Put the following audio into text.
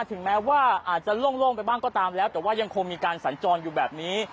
ถึงแม้ว่าอาจจะโล่งไปบ้างก็ตามแล้วแต่ว่ายังคงมีการสัญจรอยู่แบบนี้